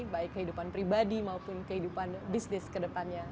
baik kehidupan pribadi maupun kehidupan bisnis kedepannya